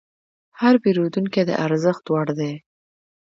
هر پیرودونکی د ارزښت وړ دی.